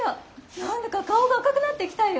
何だか顔が赤くなってきたよ。